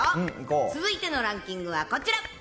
続いてのランキングはこちら。